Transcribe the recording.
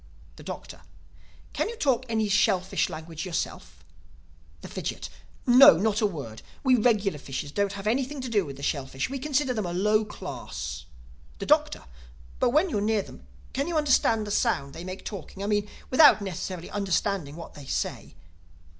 The Doctor: "Can you talk any shellfish language yourself?" The Fidgit: "No, not a word. We regular fishes don't have anything to do with the shellfish. We consider them a low class." The Doctor: "But when you're near them, can you hear the sound they make talking—I mean without necessarily understanding what they say?"